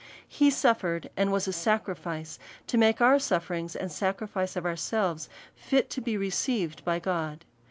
He sulYcred, and was a sacrifice, to make our suf feriujj^s and sacrifice of ourselves fit to be received by God.